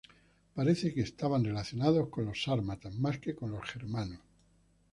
Parece que estaban relacionados con los sármatas, más que con los germanos.